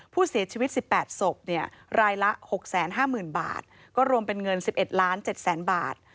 ผู้เสียชีวิตสิบแปดศพเนี้ยรายละหกแสนห้าหมื่นบาทก็รวมเป็นเงินสิบเอ็ดล้านเจ็ดแสนบาท